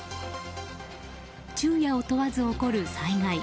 昼夜を問わずに起こる災害。